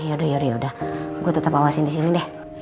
oh yaudah yaudah yaudah gue tetap awasin disini deh